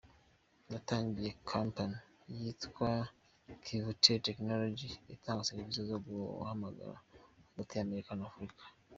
Natangiye company yitwa Kivutel Technologies itanga services zo guhamagara hagati y’Amerika na Afurika.